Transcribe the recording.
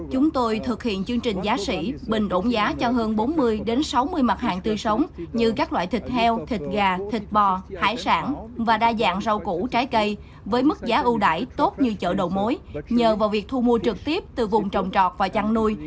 chúng tôi thực hiện chương trình giá xỉ bình ổn giá cho hơn bốn mươi sáu mươi mặt hàng tươi sống như các loại thịt heo thịt gà thịt bò hải sản và đa dạng rau củ trái cây với mức giá ưu đại tốt như chợ đầu mối nhờ vào việc thu mua trực tiếp từ vùng trồng trọt và chăn nuôi